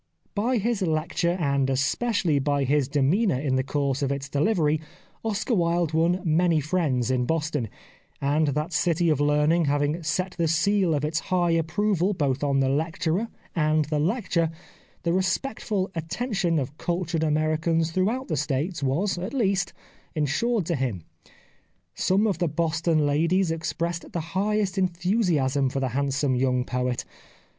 By his lecture and especially by his demeanour in the course of its delivery Oscar Wilde won many friends in Boston ; and that city of learning having set the seal of its high approval both on the lecturer and the lecture, the respectful at tention of cultured Americans throughout the States was, at least, ensured to him. Some of the Boston ladies expressed the highest en thusiasm for the handsome young poet.